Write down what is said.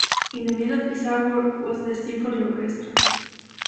In the middle of his art-work was the symphony orchestra.